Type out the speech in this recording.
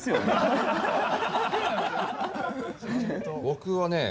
僕はね